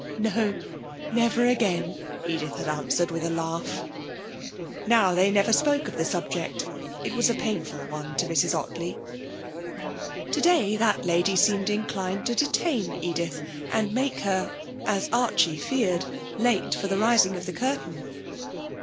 'No, never again,' Edith had answered, with a laugh. Now they never spoke of the subject. It was a painful one to Mrs Ottley. Today that lady seemed inclined to detain Edith, and make her as Archie feared late for the rising of the curtain.